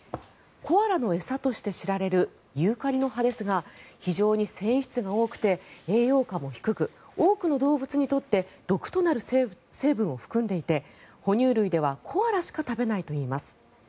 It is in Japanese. コアラの餌として知られるユーカリの葉ですが非常に繊維質が多くて栄養価も低く多くの動物にとって毒となる成分を含んでいて哺乳類ではコアラしか食べないといいます。